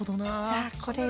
さあこれで。